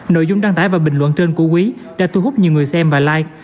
nội dung đăng tải và bình luận trên của quý đã thu hút nhiều người xem và life